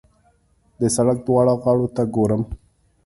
د سړک دواړو غاړو ته ګورم.